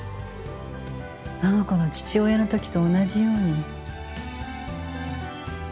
あの子の父親の時と同じように。